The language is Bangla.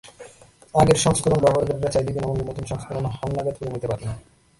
আগের সংস্করণ ব্যবহারকারীরা চাইলেই বিনা মূল্যে নতুন সংস্করণ হালনাগাদ করে নিতে পারবেন।